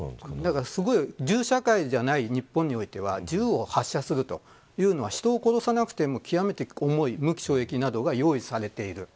銃社会じゃない日本においては銃を発射するというのは人を殺さなくても極めて重い無期懲役が用意されている。